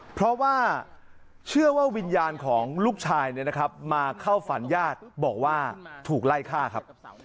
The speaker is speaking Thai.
เพราะว่าเชื่อว่าวิญญาณของลูกชายมาเข้าฝันญาติบอกว่าถูกไล่ฆ่าครับ